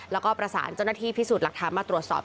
แล้วก็ประสานเจ้าหน้าที่พิสูจน์หลักฐานมาตรวจสอบ